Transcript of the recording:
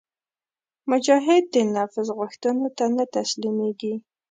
مجاهد د نفس غوښتنو ته نه تسلیمیږي.